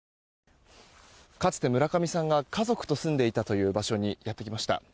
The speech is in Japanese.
かつて村上さんが家族と住んでいたという場所にやってきました。